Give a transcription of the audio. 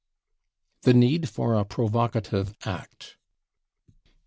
The Need for a Provocative Act.